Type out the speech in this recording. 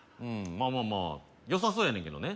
まあまあまあよさそうやねんけどね